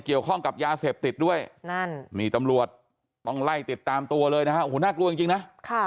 เกี่ยวข้องกับยาเสพติดด้วยนั่นนี่ตำรวจต้องไล่ติดตามตัวเลยนะฮะโอ้โหน่ากลัวจริงจริงนะ